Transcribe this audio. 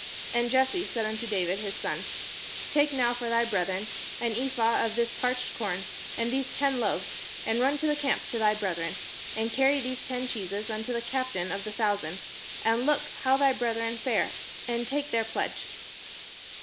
And Jesse said unto David his son: "Take now for thy brethren an ephah of this parched corn, and these ten loaves, and run to the camp to thy brethren; and carry these ten cheeses unto the captain of their thousand, and look how thy brethren fare, and take their pledge."